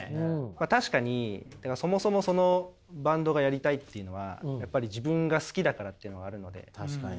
確かにそもそもそのバンドがやりたいっていうのはやっぱり自分が好きだからっていうのはあるので。